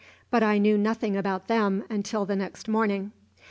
But I knew nothing about them until the next morning.